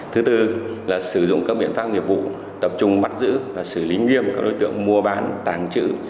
thứ tư là sử dụng các biện pháp nghiệp vụ tập trung bắt giữ và xử lý nghiêm các đối tượng mua bán tàng trữ